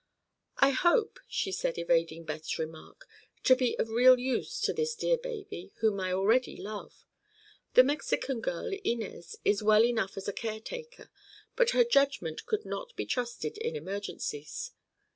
"I hope," she said, evading Beth's remark, "to be of real use to this dear baby, whom I already love. The Mexican girl, Inez, is well enough as a caretaker, but her judgment could not be trusted in emergencies.